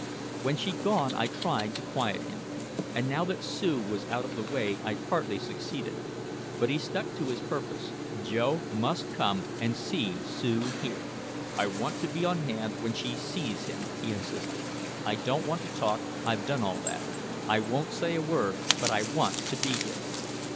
When she'd gone I tried to quiet him. And now that Sue was out of the way I partly succeeded. But he stuck to his purpose. Joe must come and see Sue here. "I want to be on hand when she sees him," he insisted. "I don't want to talk I've done all that I won't say a word but I want to be here.